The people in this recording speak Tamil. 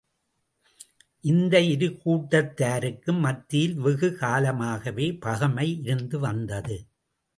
இந்த இரு கூட்டத்தாருக்கும் மத்தியில் வெகு காலமாகவே பகைமை இருந்து வந்தது.